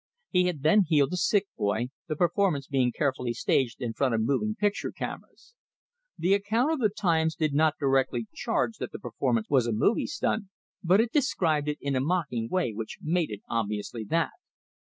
He had then healed a sick boy, the performance being carefully staged in front of moving picture cameras. The account of the "Times" did not directly charge that the performance was a "movie stunt," but it described it in a mocking way which made it obviously that.